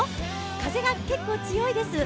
風が結構、強いです。